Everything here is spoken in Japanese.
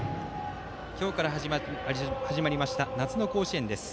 今日から始まりました夏の甲子園です。